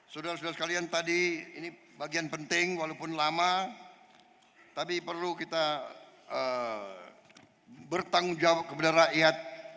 saudara saudara sekalian tadi ini bagian penting walaupun lama tapi perlu kita bertanggung jawab kepada rakyat